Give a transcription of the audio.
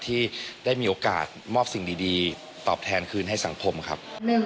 ที่ได้มีโอกาสมอบสิ่งดีตอบแทนคืนให้สังคมครับ